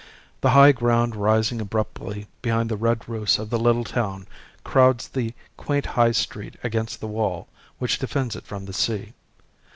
The high ground rising abruptly behind the red roofs of the little town crowds the quaint High Street against the wall which defends it from the sea.